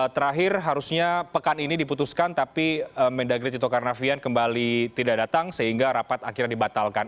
terakhir harusnya pekan ini diputuskan tapi mendagri tito karnavian kembali tidak datang sehingga rapat akhirnya dibatalkan